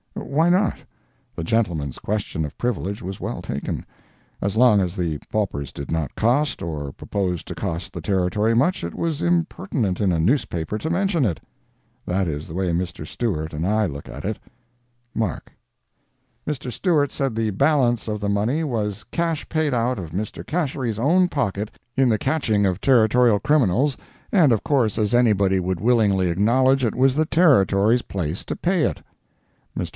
Why not? The gentleman's question of privilege was well taken. As long as the paupers did not cost, or propose to cost the Territory much, it was impertinent in a newspaper to mention it. That is the way Mr. Stewart and I look at it.—MARK.] Mr. Stewart said the balance of the money was cash paid out of Mr. Gasherie's own pocket in the catching of Territorial criminals, and of course as anybody would willingly acknowledge, it was the Territory's place to pay it. Mr.